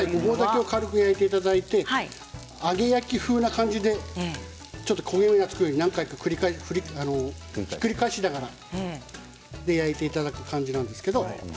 軽く焼いていただいて揚げ焼き風な感じで焦げ目がつくまでひっくり返しながら焼いていただく感じなんですけど。